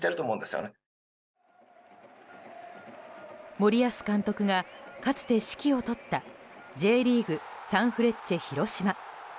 森保監督がかつて指揮を執ったＪリーグサンフレッチェ広島。